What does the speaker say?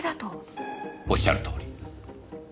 おっしゃるとおり。